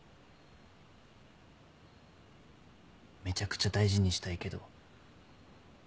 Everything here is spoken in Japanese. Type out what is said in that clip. めちゃくちゃ大事にしたいけど。